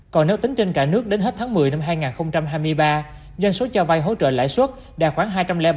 còn nếu tính trên cả nước đến hết tháng một mươi năm hai nghìn hai mươi ba doanh số cho vay hỗ trợ lại suốt đạt khoảng